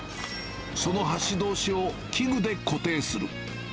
その端どうしを器具で固定する。